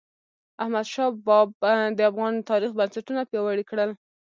احمدشاه بااب د افغان تاریخ بنسټونه پیاوړي کړل.